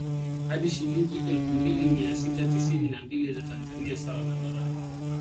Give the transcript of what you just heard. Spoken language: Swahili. hadi shilingi elfu mbili mia sita tisini na mbili za Tanzania sawa na dola mmoja